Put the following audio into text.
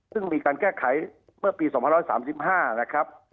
ซึ่งมีการแก้ไขเมื่อปี๒๓๕นะครับ